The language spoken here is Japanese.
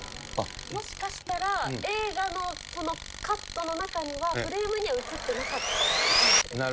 もしかしたら映画のカットの中には、フレームには映っていなかっただけかもしれない。